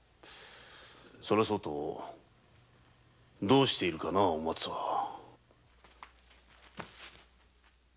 それはそうとどうしてるかなお松は？